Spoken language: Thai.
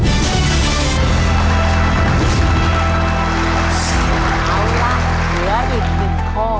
เขาว่าเหลืออีกหนึ่งข้อ